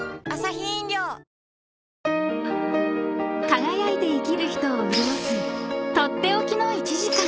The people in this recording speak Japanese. ［輝いて生きる人を潤す取って置きの１時間］